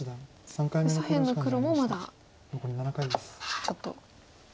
左辺の黒もまだちょっと。